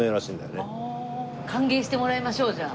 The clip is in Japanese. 歓迎してもらいましょうじゃあ。